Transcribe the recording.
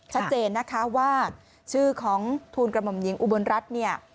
ชัดเจนนะคะว่าชื่อของทูลกระหม่อมหญิงอุบลรัฐเนี่ย